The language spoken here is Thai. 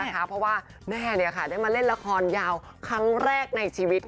เพราะว่าแม่ได้มาเล่นละครยาวครั้งแรกในชีวิต